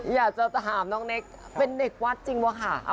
อยากจะถามน้องเน็กซ์เป็นเด็กวัดจริงหรือเปล่าค่ะ